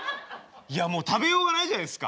いやもう食べようがないじゃないですか。